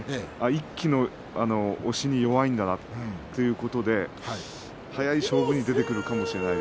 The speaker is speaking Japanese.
一気の押しに弱いんだなということで速い勝負に出てくるかもしれない